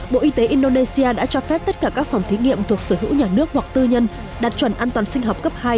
bộ y tế indonesia đã cho phép tất cả các phòng thí nghiệm thuộc sở hữu nhà nước hoặc tư nhân đạt chuẩn an toàn sinh học cấp hai